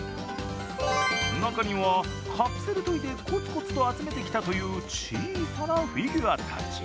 中にはカプセルトイでこつこつと集めてきたという小さなフィギュアたち。